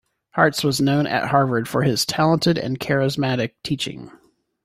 Hartz was known at Harvard for his talented and charismatic teaching.